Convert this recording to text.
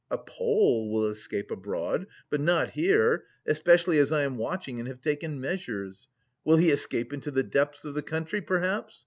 A Pole will escape abroad, but not here, especially as I am watching and have taken measures. Will he escape into the depths of the country perhaps?